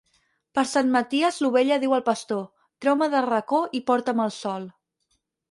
Per Sant Maties l'ovella diu al pastor: —Treu-me del racó i porta'm al sol.